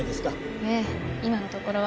ええ今のところは。